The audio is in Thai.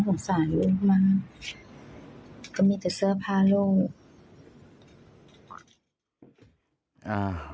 เป็นอาหารที่ปั่นให้รูดลูกดีเหลือ